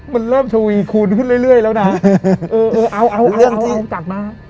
มันเริ่มทวีคูณขึ้นเรื่อยแล้วนะเออเออเอาเอาเอาเอากลับมา